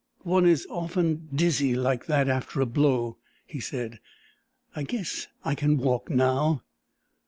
"One is often dizzy like that after a blow," he said, "I guess I can walk now."